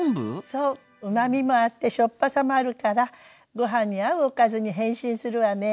そううまみもあってしょっぱさもあるからご飯に合うおかずに変身するわね。